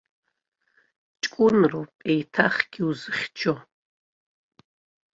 Ҷкәынроуп еиҭахгьы узыхьчо.